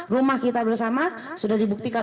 rumah kita bersama sudah dibuktikan